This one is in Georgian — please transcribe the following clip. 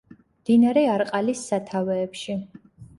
მდინარე არყალის სათავეებში.